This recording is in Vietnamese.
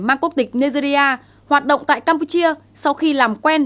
mang quốc tịch nigeria hoạt động tại campuchia sau khi làm quen